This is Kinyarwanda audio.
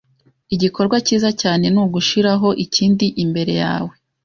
Igikorwa cyiza cyane ni ugushiraho ikindi imbere yawe